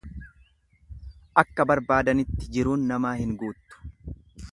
Akka barbaadanitti jiruun namaa hin guuttu.